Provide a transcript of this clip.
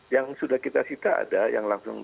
yang sudah kita sita ada yang langsung